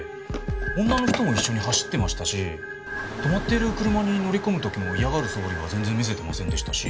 女の人も一緒に走ってましたし止まっている車に乗り込む時も嫌がるそぶりは全然見せてませんでしたし。